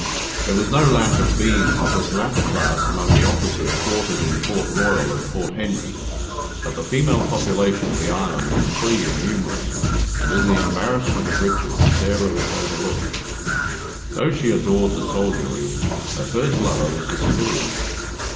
There was no lack of beings of this latter class among the officers quartered in Fort Royal and Fort Henry; but the female population of the island was free and numerous, and in the embarrassment of riches, Sarah was overlooked. Though she adored the soldiery, her first lover was a civilian.